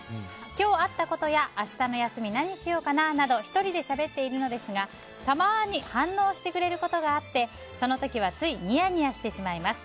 今日あったことや明日の休み何しようかななど１人でしゃべっているのですがたまに反応してくれることがあってその時はついニヤニヤしてしまいます。